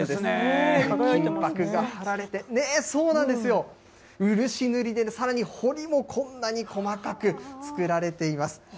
金ぱくが貼られて、そうなんですよ、漆塗りで、さらにほりもこんなに細かく作られています。